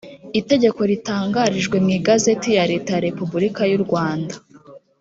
itegeko ritangarijweho mu igazeti ya leta ya repubulika y’u rwanda